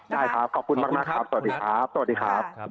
ได้ครับขอบคุณมากครับสวัสดีครับ